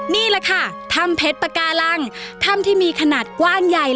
นี่แหละค่ะถ้ำเพชรปากาลังถ้ำที่มีขนาดกว้างใหญ่